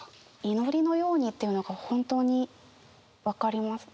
「祈りのように」っていうのが本当に分かります。